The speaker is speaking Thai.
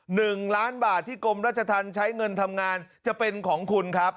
หนึ่งล้านบาทที่กรมราชธรรมใช้เงินทำงานจะเป็นของคุณครับ